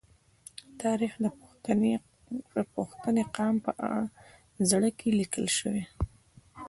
تاریخ د پښتني قام په زړه کې لیکل شوی.